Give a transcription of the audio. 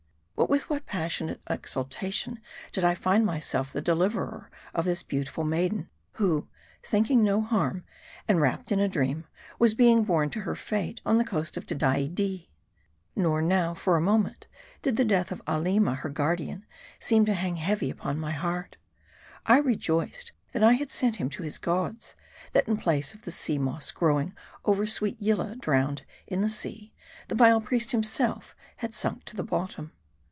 But with what passionate exultation did I find myself 163 MARDI. the deliverer of this beautiful maiden ; who, thinking no harm, and rapt in a dream, was being borne to her fate on the coast of Tedaidee. Nor now, for a moment, did the death of Aleema her guardian seem to hang heavy upon my heart, I rejoiced that I had sent him to his gods ; that in place of the sea moss growing over sweet Yillah drowned in the sea, the vile priest himself had sunk to the bottom.